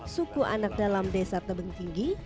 suku anak dalam desa tebengkiri